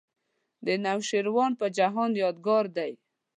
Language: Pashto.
د نوشیروان په جهان یادګار دی.